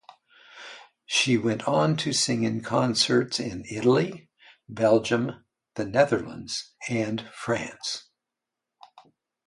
She went on to sing in concerts in Italy, Belgium, the Netherlands and France.